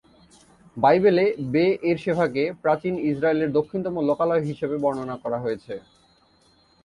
বাইবেলে বে-এরশেভাকে প্রাচীন ইসরায়েলের দক্ষিণতম লোকালয় হিসেবে বর্ণনা করা হয়েছে।